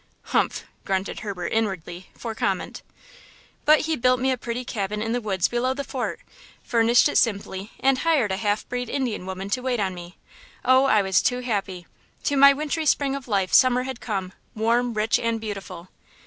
"Humph!" grunted Herbert inwardly, for comment. "But he built for me a pretty cabin in the woods below the fort, furnished it simply and hired a half breed Indian woman to wait on me. Oh, I was too happy! To my wintry spring of life summer had come, warm, rich and beautiful!